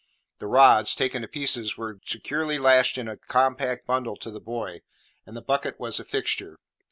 The rods, taken to pieces, were securely lashed in a compact bundle to the buoy, and the bucket was a fixture.